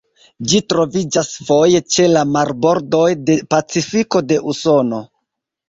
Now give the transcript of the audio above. Ĝi troviĝas foje ĉe la marbordoj de Pacifiko de Usono.